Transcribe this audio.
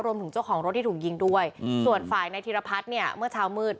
รวมถึงเจ้าของรถที่ถูกยิงด้วยส่วนฝ่ายนายธิรพัฒน์เนี่ยเมื่อเช้ามืด